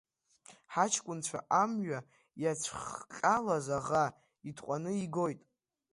Ҳаҷкәынцәа амҩа иацәхҟьалаз, аӷа иҭҟәаны игоит.